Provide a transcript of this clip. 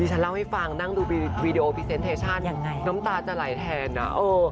ดิฉันเล่าให้ฟังนั่งดูอย่างไรน้ำตาจะไหลแทนอ่ะเออ